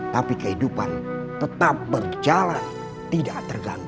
tapi kehidupan tetap berjalan tidak terganggu